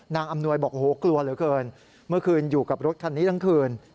อำนวยบอกโอ้โหกลัวเหลือเกินเมื่อคืนอยู่กับรถคันนี้ทั้งคืน